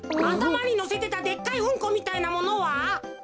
あたまにのせてたでっかいうんこみたいなものは？